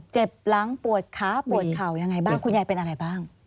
เจ็บหลังปวดขาปวดเข่ายังไงบ้างคุณยายเป็นอะไรบ้าง